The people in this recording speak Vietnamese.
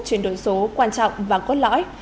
chuyển đổi số quan trọng và cốt lõi